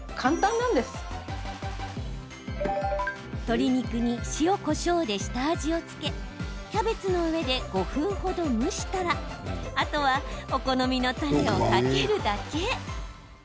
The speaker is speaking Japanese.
鶏肉に塩、こしょうで下味を付けキャベツの上で５分程、蒸したらあとはお好みのたれをかけるだけ。